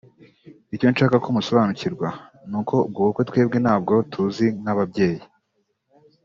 Icyo nshaka ko musobanukirwa ni uko ubwo bukwe twebwe ntabwo tuzi nk’ababyeyi